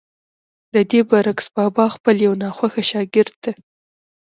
ددې برعکس بابا خپل يو ناخوښه شاګرد ته